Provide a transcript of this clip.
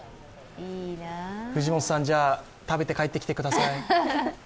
藤本さん、食べて帰ってきてください。